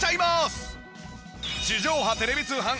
地上波テレビ通販